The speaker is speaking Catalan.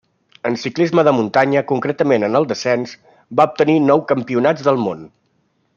En ciclisme de muntanya, concretament en el descens, va obtenir nou Campionats del món.